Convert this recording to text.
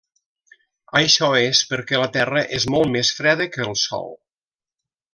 Això és perquè la terra és molt més freda que el sol.